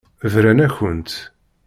Bran-akent.